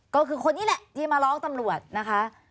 ก็คือคนนี้แหละที่มาร้องตำรวจนะคะ